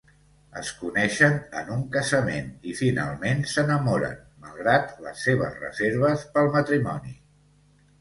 Es coneixen en un casament i finalment s’enamoren, malgrat les seves reserves pel matrimoni.